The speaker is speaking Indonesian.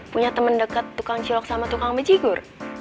punya temen deket tukang cilok sama tukang bajigur